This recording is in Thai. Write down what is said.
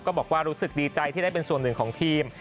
บอกว่ารู้สึกดีใจที่ได้เป็นส่วนหนึ่งของทีม